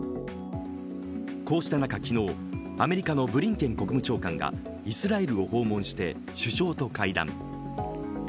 こうした中、昨日、アメリカのブリンケン国務長官がイスラエルを訪問して首相と会談。